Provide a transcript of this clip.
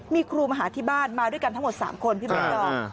มีครูมาหาที่บ้านมาด้วยกันทั้งหมด๓คนพี่เบิร์ดดอม